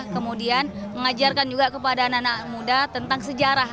kemudian mengajarkan juga kepada anak anak muda tentang sejarah